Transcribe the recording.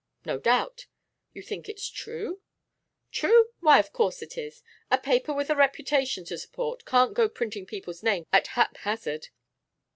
'No doubt.' 'You think it's true?' 'True? Why, of course it is. A newspaper with a reputation to support can't go printing people's names at haphazard.